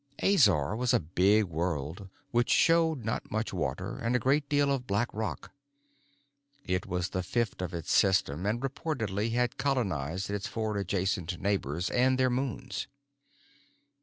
Azor was a big world which showed not much water and a great deal of black rock. It was the fifth of its system and reportedly had colonized its four adjacent neighbors and their moons.